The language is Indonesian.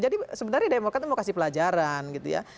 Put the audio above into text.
jadi sebenarnya demokrat itu mau kasih pelajaran gitu ya